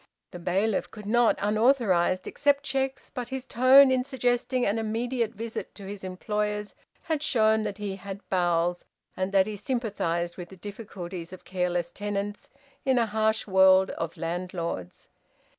The bailiff could not, unauthorised, accept cheques, but his tone in suggesting an immediate visit to his employers had shown that he had bowels, that he sympathised with the difficulties of careless tenants in a harsh world of landlords.